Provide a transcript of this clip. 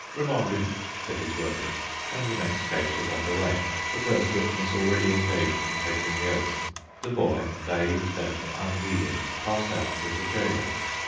"Remanded," said his Worship; and the next case was under way, the first witness already engaged in taking the oath. The boy, dazed and unheeding, passed out with the jailer.